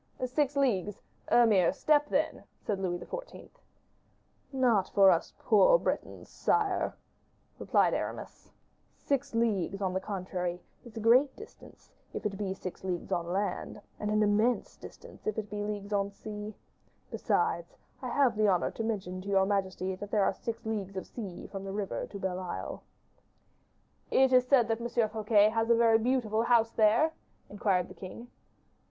"Six leagues; a mere step, then," said Louis XIV. "Not for us poor Bretons, sire," replied Aramis: "six leagues, on the contrary, is a great distance, if it be six leagues on land; and an immense distance, if it be leagues on the sea. Besides, I have the honor to mention to your majesty that there are six leagues of sea from the river to Belle Isle." "It is said that M. Fouquet has a very beautiful house there?" inquired the king.